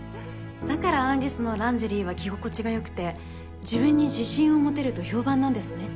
だからアン・リスのランジェリーは着心地がよくて自分に自信を持てると評判なんですね